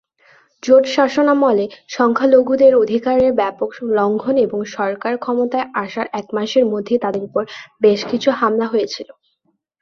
জোট শাসনামলে সংখ্যালঘুদের অধিকারের ব্যাপক লঙ্ঘন এবং সরকার ক্ষমতায় আসার এক মাসের মধ্যেই তাদের উপর বেশকিছু হামলা হয়েছিল।